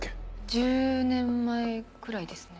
１０年前くらいですね